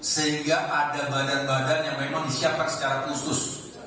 sehingga ada badan badan yang memang disiapkan secara khusus